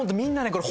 これ